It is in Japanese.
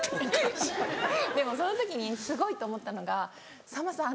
でもその時にすごいと思ったのがさんまさん